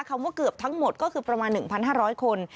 ว่าเกือบทั้งหมดก็คือประมาณ๑๕๐๐คน